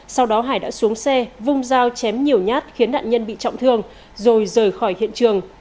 sau đó hải đã xuống xe vung dao chém nhiều nhát khiến nạn nhân bị trọng thương rồi rời khỏi hiện trường